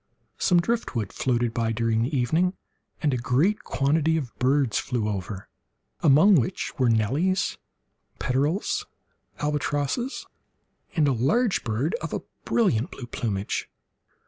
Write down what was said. Some driftwood floated by during the evening, and a great quantity of birds flew over, among which were nellies, peterels, albatrosses, and a large bird of a brilliant blue plumage.